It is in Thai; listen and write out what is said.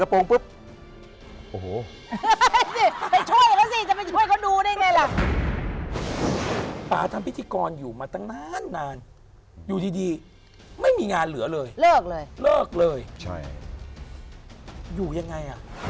มันเป็นสูตรเทพสีใสใช่เดี๋ยวออกมาอับหลังวางฮ่า